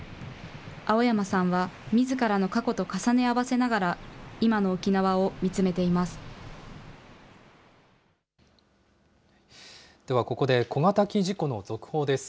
青山さんはみずからの過去と重ね合わせながら、今の沖縄を見つめではここで小型機事故の続報です。